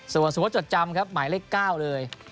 ส่วนสมมุติจดจำครับหมายเลข๙เลย